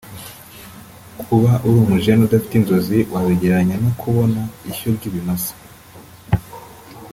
kuba uri umu jeune udafite inzozi wabigereranya no kubona ishyo ry’ibimasa